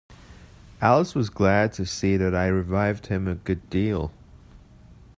Alice was glad to see that it revived him a good deal.